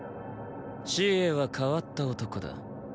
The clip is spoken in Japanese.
紫詠は変わった男だ。